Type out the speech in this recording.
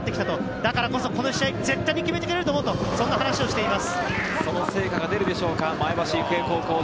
だからこそ、この試合絶対に決めてくれると思うと話しています。